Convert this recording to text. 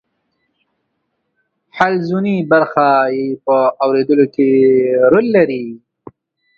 حلزوني برخه یې په اوریدلو کې رول لري.